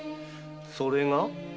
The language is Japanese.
それが？